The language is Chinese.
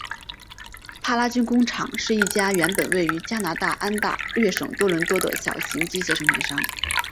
帕拉军工厂是一家原本位于加拿大安大略省多伦多的小型枪械生产商。